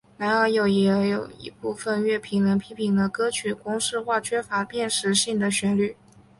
然而也有一部分乐评人批评了歌曲公式化缺乏辨识性的旋律。